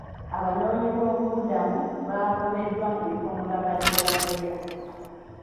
Abanoonyiboobubudamu baagobeddwa mu bifo mwe babadde babeera.